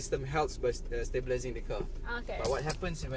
เราจะรู้สึกว่า